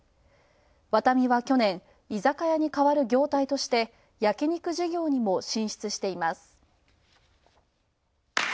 ワタミは去年、居酒屋に代わる業態として焼き肉事業にも進出しています。